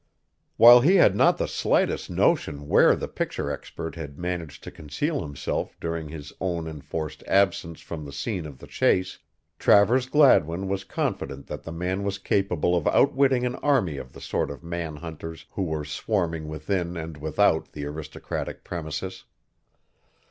While he had not the slightest notion where the picture expert had managed to conceal himself during his own enforced absence from the scene of the chase, Travers Gladwin was confident that the man was capable of outwitting an army of the sort of man hunters who were swarming within and without the aristocratic premises.